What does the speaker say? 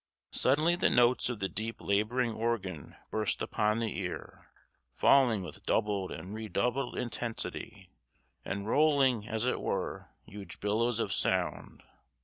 Suddenly the notes of the deep laboring organ burst upon the ear, falling with doubled and redoubled intensity, and rolling, as it were, huge billows of sound.